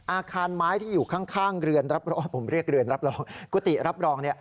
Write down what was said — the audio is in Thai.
อาคารไม้ที่อยู่ข้างกุฏิรับรอง